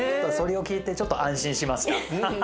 それを聞いてちょっと安心しました。